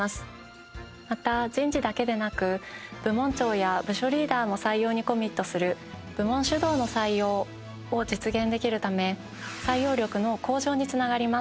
また人事だけでなく部門長や部署リーダーも採用にコミットする部門主導の採用を実現できるため採用力の向上につながります。